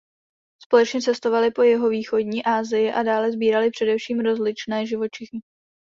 Společně cestovali po jihovýchodní Asii a dále sbírali především rozličné živočichy.